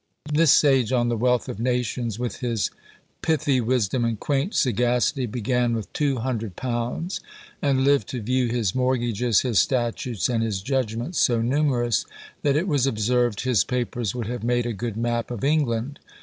This sage on the wealth of nations, with his pithy wisdom and quaint sagacity, began with two hundred pounds, and lived to view his mortgages, his statutes, and his judgments so numerous, that it was observed his papers would have made a good map of England.